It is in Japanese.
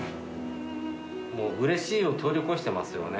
もう、うれしいを通り越してますよね。